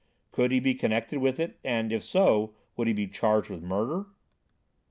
Could he be connected with it and, if so, would he be charged with murder?